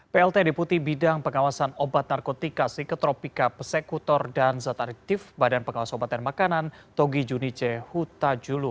plt deputi bidang pengawasan obat narkotika psikotropika pesekutor dan zat adiktif badan pengawas obat dan makanan togi junice huta julu